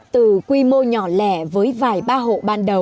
từ quy mô nhỏ lẻ với vài ba hộ